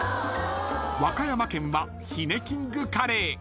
［和歌山県はひねキングカレー］